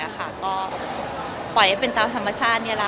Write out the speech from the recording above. ก็ปล่อยให้เป็นตามธรรมชาตินี่แหละค่ะ